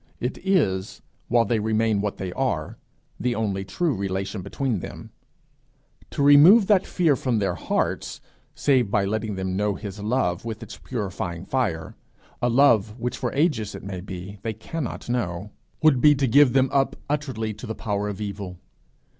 It is, while they remain what they are, the only true relation between them. To remove that fear from their hearts, save by letting them know his love with its purifying fire, a love which for ages, it may be, they cannot know, would be to give them up utterly to the power of evil.